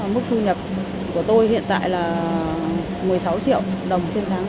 mức thu nhập của tôi hiện tại là một mươi sáu triệu đồng trên tháng